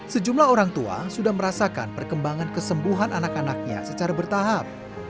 sejumlah orang tua sudah merasakan perkembangan kesembuhan anak anaknya secara bertahap